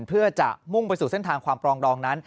เพื่อจะมุ่งไปสู่เส้นทางความปรองดองนั้น